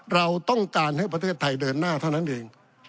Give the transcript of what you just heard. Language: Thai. เราต้องการให้ประเทศไทยเดินหน้าเท่านั้นเอง